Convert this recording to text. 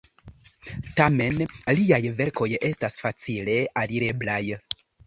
Tamen liaj verkoj estas facile alireblaj.